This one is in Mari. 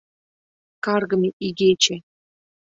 Каргыме игече!